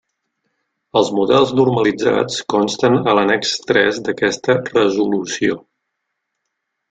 Els models normalitzats consten a l'annex tres d'aquesta Resolució.